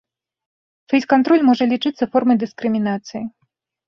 Фэйс-кантроль можа лічыцца формай дыскрымінацыі.